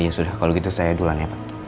ya sudah kalau gitu saya dulang ya pak